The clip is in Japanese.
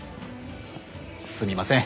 すみません。